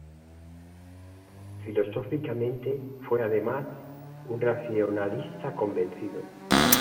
Filosóficamente, fue además, un racionalista convencido.